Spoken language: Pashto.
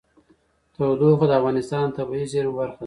تودوخه د افغانستان د طبیعي زیرمو برخه ده.